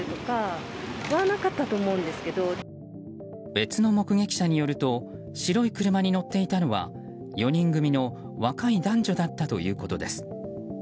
別の目撃者によると白い車に乗っていたのは４人組の若い男女だったということです。